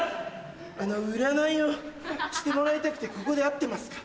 あの占いをしてもらいたくてここで合ってますか？